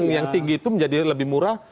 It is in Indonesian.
yang tinggi itu menjadi lebih murah